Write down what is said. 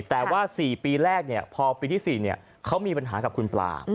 แต่ว่า๔ปีแรกเนี่ยพอปีที่๔เนี่ยเขามีปัญหากับคุณป๊า